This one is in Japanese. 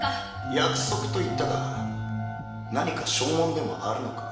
約束と言ったが何か証文でもあるのか？